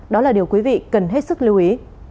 đó là điều quý vị cần hết sức lưu ý